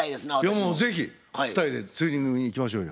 もう是非２人でツーリングに行きましょうよ。